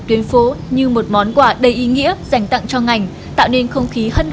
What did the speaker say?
tuyến phố như một món quả đầy ý nghĩa dành tặng cho ngành